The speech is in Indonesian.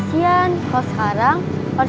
siap sam format